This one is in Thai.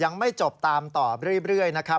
ยังไม่จบตามต่อเรื่อยนะครับ